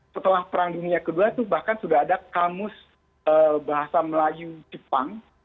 setelah perang dunia ii itu bahkan sudah ada kamus bahasa melayu jepang